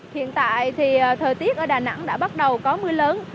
hiện tại thì thời tiết ở đà nẵng đã bắt đầu có mưa lớn